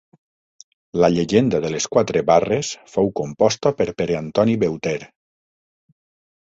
La llegenda de les Quatre Barres fou composta per Pere-Antoni Beuter.